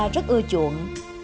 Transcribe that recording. rất ưa chuộng